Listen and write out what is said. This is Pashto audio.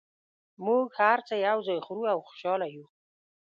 موږ هر څه یو ځای خورو او خوشحاله یو